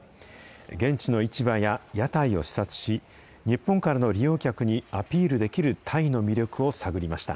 現地の市場や屋台を視察し、日本からの利用客にアピールできるタイの魅力を探りました。